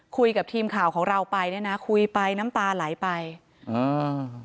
คุยกับทีมข่าวของเราไปเนี้ยนะคุยไปน้ำตาไหลไปอ่า